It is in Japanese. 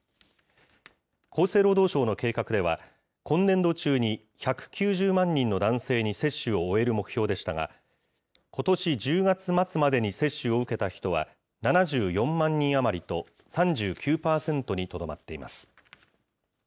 厚生労働省の計画では、今年度中に１９０万人の男性に接種を終える目標でしたが、ことし１０月末までに接種を受けた人は、７４万人余りと、３９％にとどまっています。